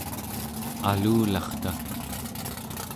alularta